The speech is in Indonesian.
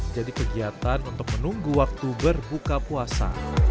jadi kegiatan untuk menunggu waktu berbuka puasa